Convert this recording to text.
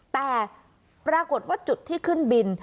แต่ปรากฏว่าจุดที่ขึ้นบิน